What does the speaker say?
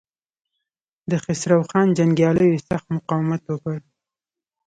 د خسرو خان جنګياليو سخت مقاومت وکړ.